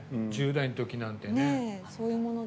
１０代の時なんてね。